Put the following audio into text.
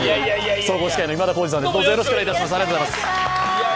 総合司会の今田耕司さんです。